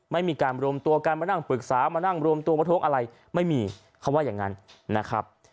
มานั่งปรึกษามานั่งรวมตัวมาโท๊กอะไรไม่มีคำว่าอย่างนั้นนะครับ